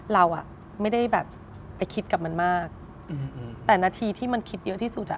เราอ่ะไม่ได้แบบไปคิดกับมันมากแต่นาทีที่มันคิดเยอะที่สุดอ่ะ